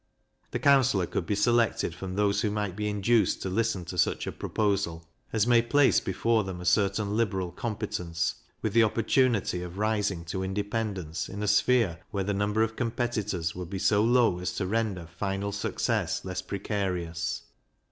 This counsellor could be selected from those who might be induced to listen to such a proposal, as may place before them a certain liberal competence, with the opportunity of rising to independence in a sphere where the number of competitors would be so low as to render final success less precarious.